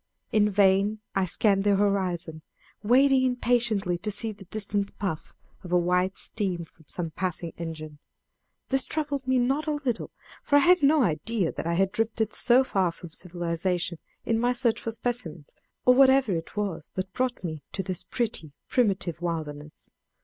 In vain I scanned the horizon, waiting impatiently to see the distant puff of white steam from some passing engine. This troubled me not a little, for I had no idea that I had drifted so far from civilization in my search for specimens, or whatever it was that brought me to this pretty, primitive wilderness.